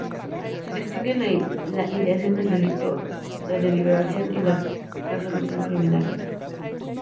Se distinguen: la ideación del delito, la deliberación y la resolución criminal.